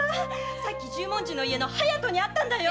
さっき十文字の家の隼人に会ったんだよ！